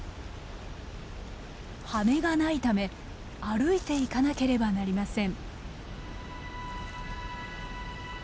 羽がないため歩いていかなければなりません。